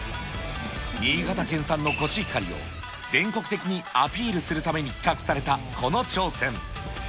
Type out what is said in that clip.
新潟県産のコシヒカリを、全国的にアピールするために企画されたこの挑戦。